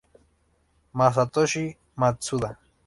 Masatoshi Matsuda